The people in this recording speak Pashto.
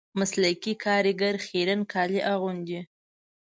مسلکي کاریګر خیرن کالي اغوندي